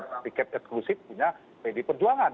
dan tiket eksklusif punya pilih perjuangan